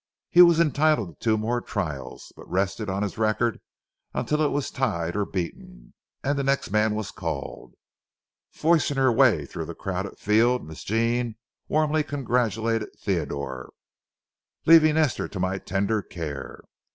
He was entitled to two more trials, but rested on his record until it was tied or beaten, and the next man was called. Forcing her way through the crowded field, Miss Jean warmly congratulated Theodore, leaving Esther to my tender care.